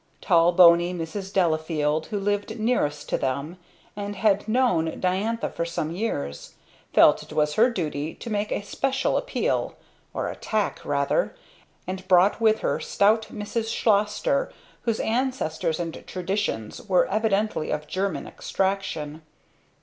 Tall bony Mrs. Delafield who lived nearest to them and had known Diantha for some years, felt it her duty to make a special appeal or attack rather; and brought with her stout Mrs. Schlosster, whose ancestors and traditions were evidently of German extraction.